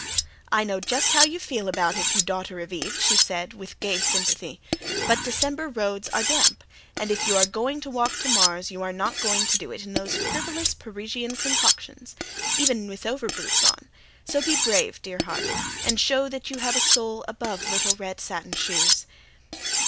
"I know just how you feel about it, you daughter of Eve," she said, with gay sympathy, "but December roads are damp, and if you are going to walk to Marrs' you are not going to do it in those frivolous Parisian concoctions, even with overboots on; so be brave, dear heart, and show that you have a soul above little red satin shoes."